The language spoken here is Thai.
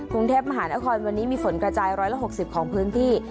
กรุงเทพฯมหาลักษณอาควรวันนี้มีฝนกระจายร้อยละหกสิบของพื้นที่